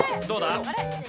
どうだ？